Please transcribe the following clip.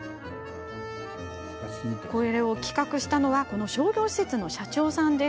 企画したのは、この商業施設の社長さんです。